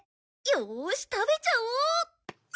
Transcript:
よし食べちゃおう！